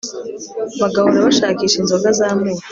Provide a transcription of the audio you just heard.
bagahora bashakisha inzoga z'amuki